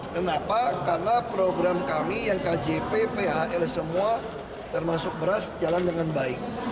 kenapa karena program kami yang kjp phl semua termasuk beras jalan dengan baik